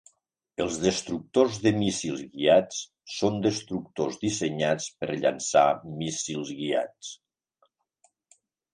Els destructors de míssils guiats són destructors dissenyats per llançar míssils guiats.